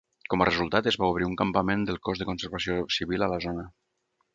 Com a resultat, es va obrir un campament del Cos de Conservació Civil a la zona.